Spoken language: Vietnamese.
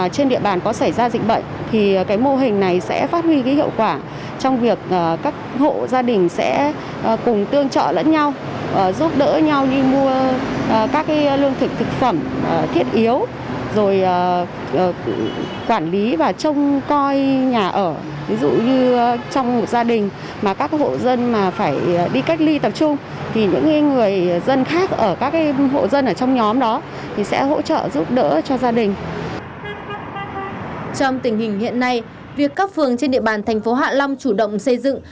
trong tình hình hiện nay việc các phường trên địa bàn thành phố hạ long chủ động xây dựng